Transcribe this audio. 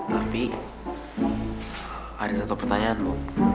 tapi ada satu pertanyaan loh